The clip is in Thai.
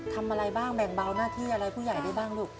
ทำอะไรบ้างแบ่งเบาหน้าที่อะไรผู้ใหญ่ได้บ้างลูก